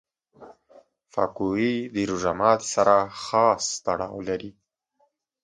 پکورې د روژه ماتي سره خاص تړاو لري